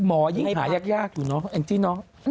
หมอยิ่งหายากอยู่เนอะแองจี้เนอะ